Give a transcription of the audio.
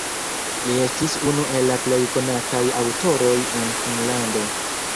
Li estis unu el la plej konataj aŭtoroj en Finnlando.